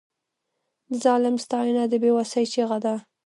د ظالم ستاینه د بې وسۍ چیغه ده.